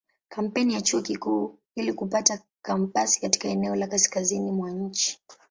Kampeni ya Chuo Kikuu ili kupata kampasi katika eneo la kaskazini mwa nchi.